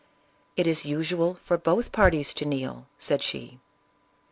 " It is usual for both par ties to kneel," said she.